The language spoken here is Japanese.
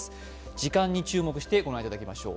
時間に注目して御覧いただきましょう。